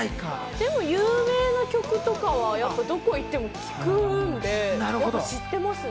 でも有名な曲とかはどこに行っても聴くんで、知ってますね。